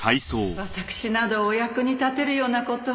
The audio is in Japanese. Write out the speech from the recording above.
わたくしなどお役に立てるような事は。